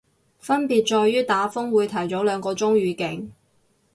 分別在於打風會提早兩個鐘預警